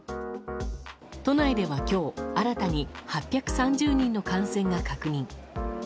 都内では今日新たに８３０人の感染が確認。